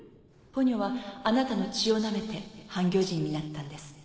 ポニョはあなたの血をなめて半魚人になったんです。